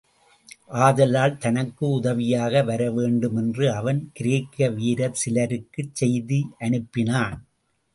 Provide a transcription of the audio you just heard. ஆதலால், தனக்கு உதவியாக வரவேண்டுமென்று அவன் கிரேக்க வீரர் சிலருக்குச் செய்தி அனுப்பினான்.